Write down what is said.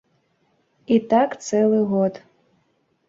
І так цэлы год.